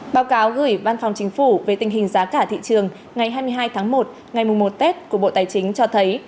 báo cáo gửi văn phòng chính phủ về tình hình giá cả thị trường ngày hai mươi hai tháng một ngày mùa một tết của bộ tài chính cho thấy